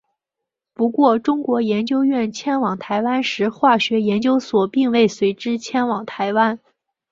不过中央研究院迁往台湾时化学研究所并未随之迁往台湾。